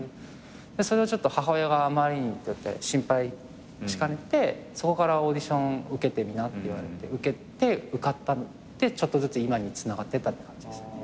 それをちょっと母親が心配しかねてそこからオーディション受けてみなって言われて受けて受かったのでちょっとずつ今につながってった感じです。